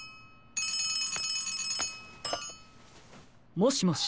☎もしもし。